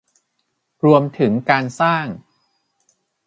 รวมถึงการสร้าง